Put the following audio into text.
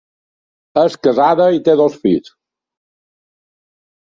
És casada i té dos fills.